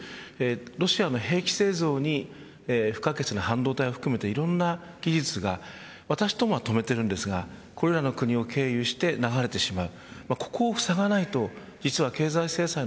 ロシアの兵器製造に不可欠な半導体を含めたいろんな技術が私どもは止めていますがこれらの国を経由して流れてしまう。